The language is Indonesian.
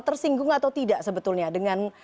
tersinggung atau tidak sebetulnya dengan